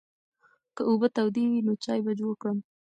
که اوبه تودې وي نو چای به جوړ کړم.